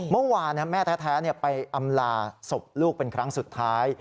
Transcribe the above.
แม่แท้ไปอำลาศพลูกเป็นครั้งสุดท้าย